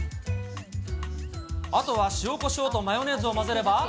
あとは塩こしょうとマヨネーズを加えれば。